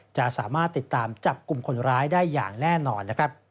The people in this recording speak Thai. จะสามารถติดตามจับกลุ่มคนร้ายได้อย่างแน่นอนนะครับ